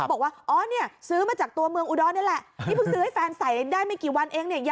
บอกว่าอ๋อเนี่ยซื้อมาจากตัวเมืองอูดอลนี่แหละ